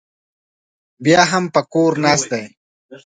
بیا هم په کور ناست دی